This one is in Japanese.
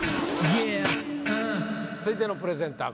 続いてのプレゼンター